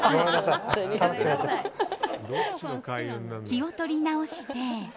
気を取り直して。